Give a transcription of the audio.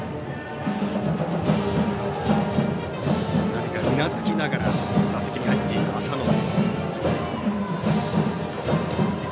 何かうなずきながら打席に入っている浅野。